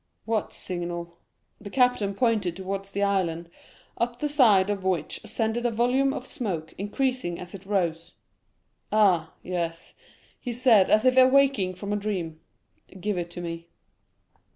"What signal?" The captain pointed towards the island, up the side of which ascended a volume of smoke, increasing as it rose. "Ah, yes," he said, as if awaking from a dream. "Give it to me."